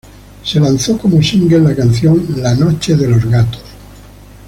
Se lanzó como single la canción ""La noche de los gatos"".